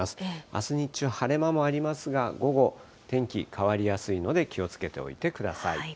あす日中、晴れ間もありますが、午後、天気変わりやすいので気をつけておいてください。